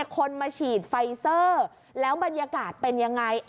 คนมาฉีดไฟเซอร์แล้วบรรยากาศเป็นยังไง